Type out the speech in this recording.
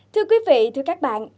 thưa quý vị thưa các bạn